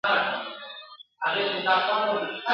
د خلکو کورونو ته اورونه اچولي !.